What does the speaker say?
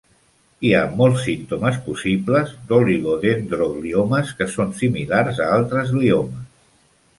Hi ha molts símptomes possibles d'oligodendrogliomes que són similars a altres gliomes.